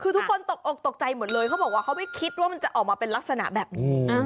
คือทุกคนตกอกตกใจหมดเลยเขาบอกว่าเขาไม่คิดว่ามันจะออกมาเป็นลักษณะแบบนี้